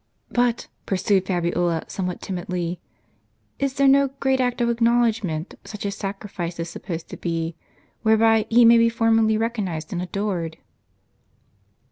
" But," pursued Fabiola, somewhat timidly, " is there no great act of acknowledgment, such as sacrifice is supposed to be, whereby »He may be formally recognized and adored?